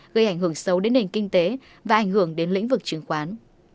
gây ảnh hưởng sâu đến nền kinh tế và ảnh hưởng đến lĩnh vực chứng khoán